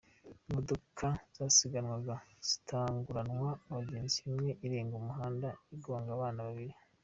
Imodoka zasiganwaga zitanguranwa abagenzi, imwe irenga umuhanda igonga abana babiri.